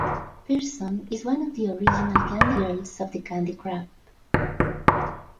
Pearson is one of the original Candy Girls of the "CandyCrib".